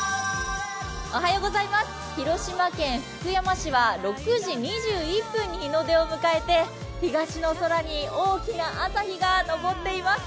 広島県福山市は６時２１分に日の出を迎えて東の空に大きな朝日が昇っています。